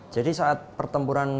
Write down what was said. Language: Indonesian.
jadi saat pertempuran